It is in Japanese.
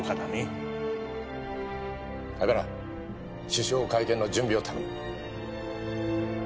首相会見の準備を頼む。